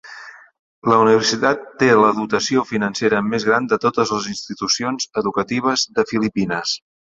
La universitat té la dotació financera més gran de totes les institucions educatives de Filipines.